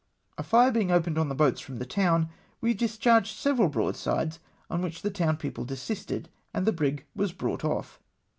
A fire being opened on the boats from the town, we discharged several broadsides, on which the townspeople desisted, and the brig was brought off.